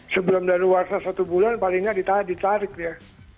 sebelum dari luar sana satu bulan palingnya ditarik dia